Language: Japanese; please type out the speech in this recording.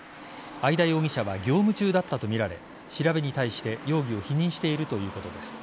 会田容疑者は業務中だったとみられ調べに対して容疑を否認しているということです。